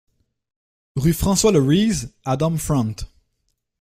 Rue François Le Rees à Domfront